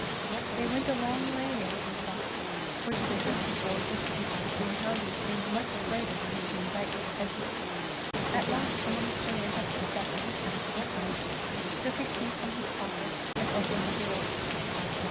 They went a long way as he thought, for to the country boy distance between houses seemed much greater than between dykes or hedges. At last the minister went up the steps of a handsome house, took a key from his pocket, and opened the door.